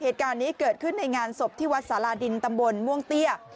เหตุการณ์นี้เกิดขึ้นในงานศพที่วัดสาราดินตำบลม่วงเตี้ย